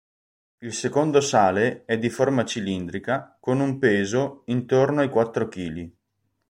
Il secondo sale è di forma cilindrica con un peso intorno ai quattro chili.